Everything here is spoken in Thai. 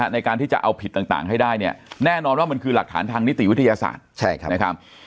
ในการที่จะเอาผิดต่างให้ได้เนี่ยแน่นอนว่ามันคือหลักฐานทางนิติวิทยาศาสตร์นะครับ